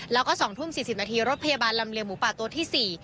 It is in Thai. แล้วก็๒ทุ่ม๔๐นาทีรถพยาบาลลำเลียงหมูป่าตัวที่๔